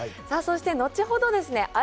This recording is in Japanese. さあそして後ほどですね